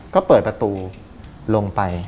ก็เปิดประตูลงไป